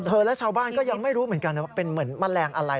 และชาวบ้านก็ยังไม่รู้เหมือนกันว่าเป็นเหมือนแมลงอะไร